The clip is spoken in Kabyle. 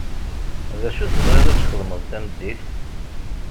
D acu tebɣiḍ ad txedmeḍ tameddit?